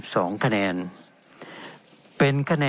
เป็นของสมาชิกสภาพภูมิแทนรัฐรนดร